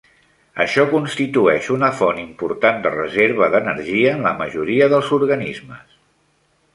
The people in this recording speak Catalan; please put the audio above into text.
Això constitueix una font important de reserva d'energia en la majoria dels organismes.